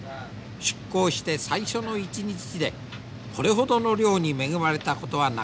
出港して最初の１日でこれほどの漁に恵まれたことはなかった。